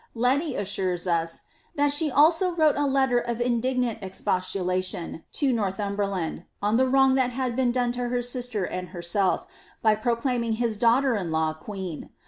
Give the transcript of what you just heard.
Leti assures as, that she also wrote a letter of indignant expostulation to Northumberland, on the wrong that had been done to her sister and herself, by proclaiming his daughter in law queen.